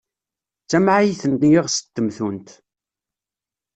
D tamɛayt n yiɣes n temtunt.